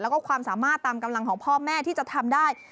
แล้วก็ความสามารถตามกำลังของพ่อแม่ที่จะทำได้